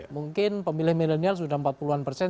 mungkin pemilih milenial sudah empat puluh an persen